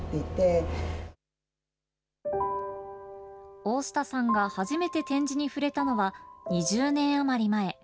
大下さんが初めて点字に触れたのは２０年余り前。